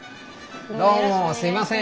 どうもすみません。